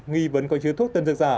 nghĩ vẫn còn chứa thuốc tân dược giả